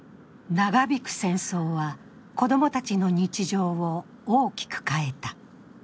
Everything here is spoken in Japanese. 長引く戦争は、子供たちの日常を大きく変えた。